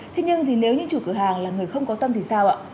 thế nhưng thì nếu những chủ cửa hàng là người không có tâm thì sao ạ